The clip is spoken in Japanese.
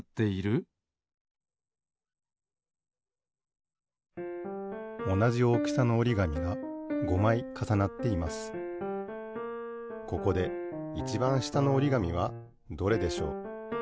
ここでいちばん下のおりがみはどれでしょう？